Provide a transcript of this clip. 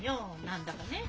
何だかね